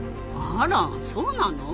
あらそうなの？